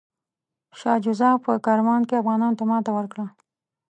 شاه شجاع په کرمان کې افغانانو ته ماته ورکړه.